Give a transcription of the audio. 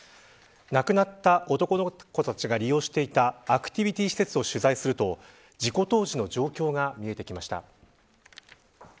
亡くなった男の子たちが利用していたアクティビティ施設を取材すると事故当時の状況が見えてきました。